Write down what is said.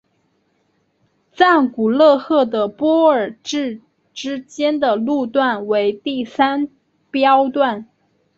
赞古勒赫的波尔至之间的路段为第三标段。